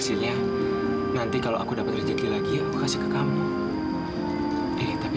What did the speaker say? sampai jumpa di video selanjutnya